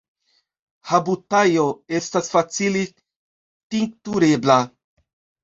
Habutajo estas facile tinkturebla.